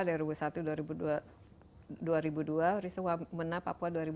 peristiwa mena papua dua ribu tiga